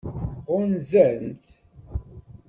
Ɣunzan-t?